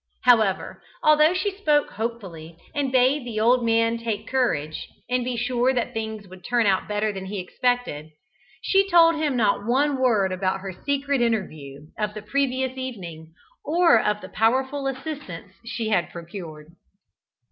However, although she spoke hopefully and bade the old man take courage and be sure that things would turn out better than he expected, she told him not one word about her secret interview of the previous evening, or of the powerful assistance she had procured.